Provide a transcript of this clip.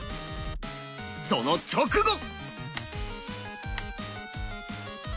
その直後！